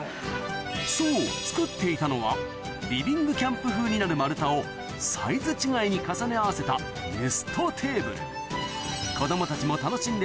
そう作っていたのはリビングキャンプ風になる丸太をサイズ違いに重ね合わせたはい。